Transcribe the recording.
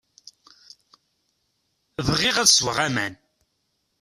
Bɣiɣ ad sweɣ aman.